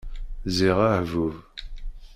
Ziɣ ahbub!